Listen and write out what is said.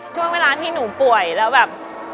ช่วงเวลาที่หนูป่วยแล้วแบบ